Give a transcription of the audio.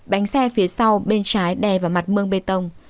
bánh xe phía sau bên trái đè vào mặt mương bê tông